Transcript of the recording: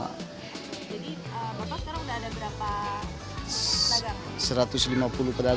jadi berapa sekarang udah ada berapa pedagang